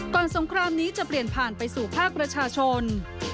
สงครามนี้จะเปลี่ยนผ่านไปสู่ภาคประชาชน